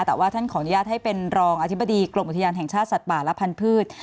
แต่ว่าท่านขออนุญาตให้เป็นรองอธิบดีกรมอุทยานแห่งชาติสัตว์ป่าและพันธุ์